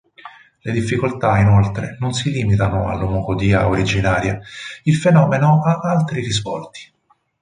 Le difficoltà inoltre non si limitano all'omocodia originaria: il fenomeno ha altri risvolti.